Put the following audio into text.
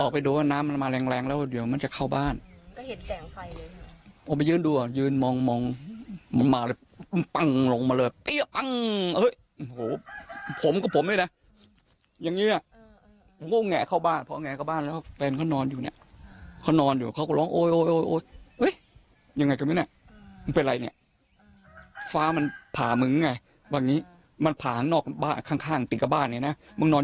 ปิดกับบ้านอย่างนี้นะมึงนอนอยู่ไหนมึงเป็นอย่างนี้ด้วยเหรอ